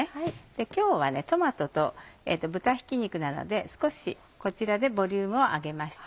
今日はトマトと豚ひき肉なので少しこちらでボリュームを上げました。